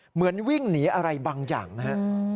เหมือนวิ่งหนีอะไรบางอย่างนะฮะ